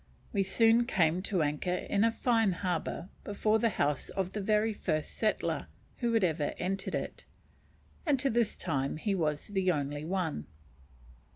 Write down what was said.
We soon came to anchor in a fine harbour before the house of the very first settler who had ever entered it, and to this time he was the only one.